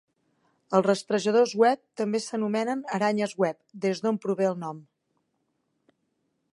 Els rastrejadors web també s'anomenen aranyes web, des d'on prové el nom.